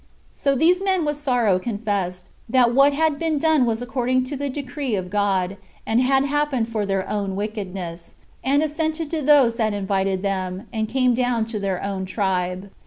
So these men with sorrow confessed, that what had been done was according to the decree of God, and had happened for their own wickedness; and assented to those that invited them, and came down to their own tribe.